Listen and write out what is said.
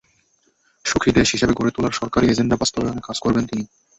সুখী দেশ হিসেবে গড়ে তোলার সরকারি এজেন্ডা বাস্তবায়নে কাজ করবেন তিনি।